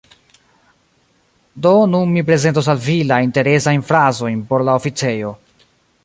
Do nun mi prezentos al vi la interesajn frazojn por la oficejo: